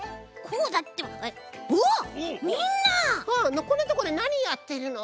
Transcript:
こんなとこでなにやってるの？